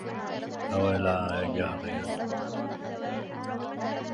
يا فاقدا لولد الوحيد عجبت من